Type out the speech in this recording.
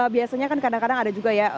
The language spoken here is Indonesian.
biasanya kan kadang kadang ada juga ya